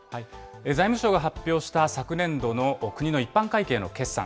財務省が発表した昨年度の国の一般会計の決算。